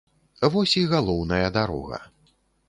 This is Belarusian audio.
Вось і галоўная дарога.